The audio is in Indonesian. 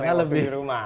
karena lebih rumah